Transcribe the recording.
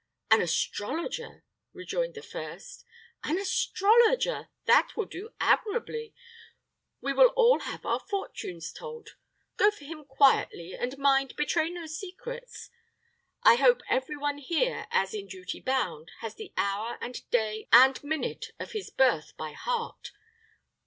"An astrologer!" rejoined the first; "an astrologer! That will do admirably. We will all have our fortunes told. Go for him quietly, and mind, betray no secrets. I hope every one here, as in duty bound, has the hour, and day, and minute of his birth by heart.